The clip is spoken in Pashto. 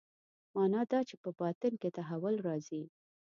معنا دا چې په باطن کې تحول راځي.